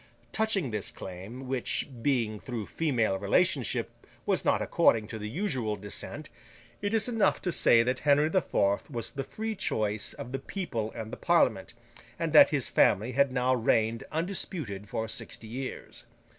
Touching this claim, which, being through female relationship, was not according to the usual descent, it is enough to say that Henry the Fourth was the free choice of the people and the Parliament, and that his family had now reigned undisputed for sixty years.